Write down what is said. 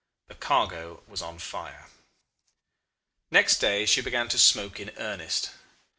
The cargo was on fire. "Next day she began to smoke in earnest.